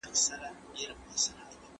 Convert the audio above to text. علمي پرمختګ د انسان ژوند بدل کړی دی.